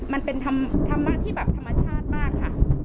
มันเป็นธรรมะที่แบบธรรมชาติมากค่ะ